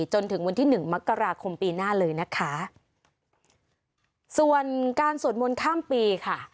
จนถึงวันที่หนึ่งมกราคมปีหน้าเลยนะคะส่วนการสวดมนต์ข้ามปีค่ะ